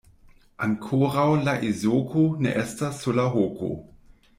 Ankoraŭ la ezoko ne estas sur la hoko.